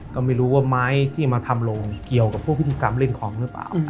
ก็ไม่รู้ว่ามไรที่ก็มาทำโรงเกี่ยวกับพฤษฎิกรรมเล่นของรึเปล่า